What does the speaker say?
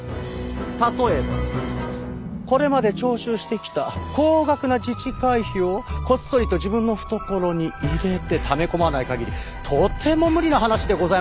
例えばこれまで徴収してきた高額な自治会費をこっそりと自分の懐に入れてため込まない限りとても無理な話でございますよ。